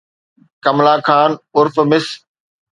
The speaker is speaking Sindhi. ڪملا خان عرف مس